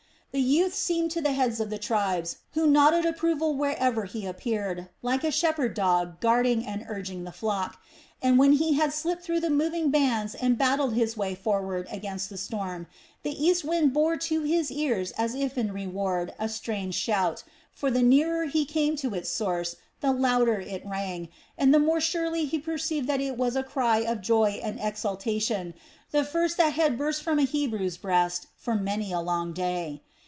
The youth seemed to the heads of the tribes, who nodded approval wherever he appeared, like a shepherd dog guarding and urging the flock; and when he had slipped through the moving bands and battled his way forward against the storm, the east wind bore to his ears as if in reward a strange shout; for the nearer he came to its source, the louder it rang, and the more surely he perceived that it was a cry of joy and exultation, the first that had burst from a Hebrew's breast for many a long day.